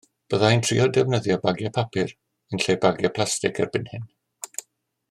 Bydda i'n trio defnyddio bagiau papur yn lle bagiau plastig erbyn hyn.